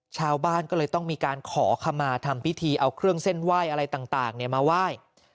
ชาวบ้านก็เลยต้องมีการขอขมาทำพิธีเอาเครื่องเส้นไหว้อะไรต่างมาไหว้